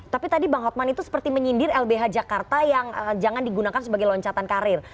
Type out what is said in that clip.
tapi tadi bang hotman itu seperti menyindir lbh jakarta yang jangan digunakan sebagai loncatan karir